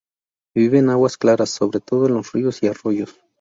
Vive en aguas claras, sobre todo en los ríos y arroyos.